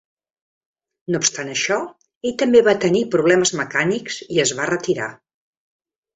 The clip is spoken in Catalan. No obstant això, ell també va tenir problemes mecànics i es va retirar.